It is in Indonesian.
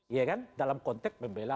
ya kan dalam konteks membela